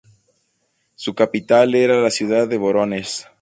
Su capital era la ciudad de Vorónezh.